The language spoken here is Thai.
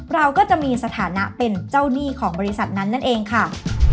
เราก็จะมีสถานะเป็นเจ้าหนี้ของบริษัทนั้นนั่นเองค่ะ